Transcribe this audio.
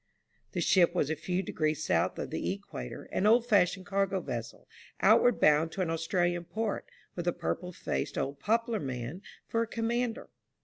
The ship was a few degrees south of the equator, an old fashioned cargo vessel, outward bound to an Australian port, with a purple faced old Poplar man for a com mander.